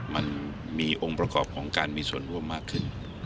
มันมีองค์ประกอบของการมีส่วนร่วมมากขึ้น